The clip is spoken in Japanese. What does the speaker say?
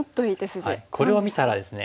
これを見たらですね。